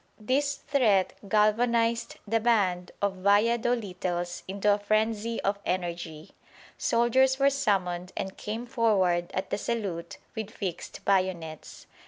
This threat galvanised the band of Vallado littles into a frenzy of energy. Soldiers were summoned and came forward at the salute with fixed bayonets.